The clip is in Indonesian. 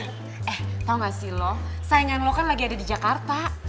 eh tau gak sih lo saingan lo kan lagi ada di jakarta